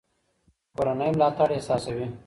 کورنۍ ملاتړ احساسوي.